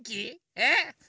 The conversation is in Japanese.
えっ？